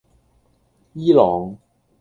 伊朗